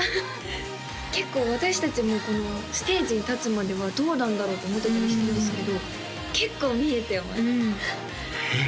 結構私達もステージに立つまでは「どうなんだろう？」って思ってたりしてたんですけど結構見えてますうんえっ！